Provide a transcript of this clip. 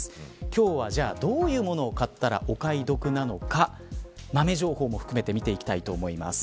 今日は、じゃあ、どういうものを買ったらお買い得なのか豆情報も含めて見ていきたいと思います。